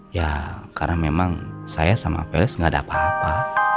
ya karena memang saya sama apelce gak ada apa apa